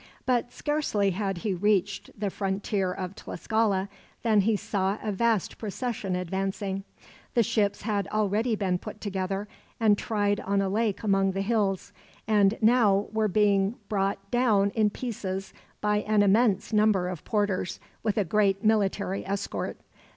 But scarcely had he reached the frontier of Tlascala than he saw a vast procession advancing. The ships had already been put together, and tried on a lake among the hills; and were now being brought down in pieces by an immense number of porters, with a great military escort.